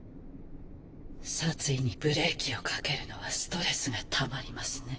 殺意にブレーキを掛けるのはストレスがたまりますね。